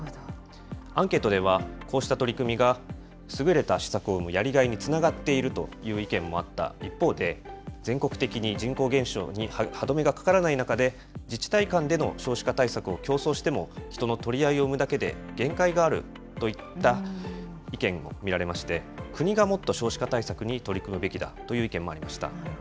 アンケートでは、こうした取り組みが、優れた施策を生むやりがいにつながっているという意見もあった一方で、全国的に人口減少に歯止めがかからない中で、自治体間での少子化対策を競争しても、人の取り合いを生むだけで限界があるといった意見も見られまして、国がもっと少子化対策に取り組むべきだという意見もありました。